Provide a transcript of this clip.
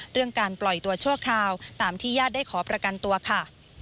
เรื่องการปล่อยตัวชั่วคราวตามที่ญาติได้ขอประกันตัวค่ะ